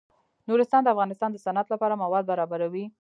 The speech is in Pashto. نورستان د افغانستان د صنعت لپاره مواد برابروي.